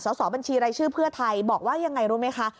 สอบบัญชีรายชื่อเพื่อไทยบอกว่ายังไงรู้ไหมคะ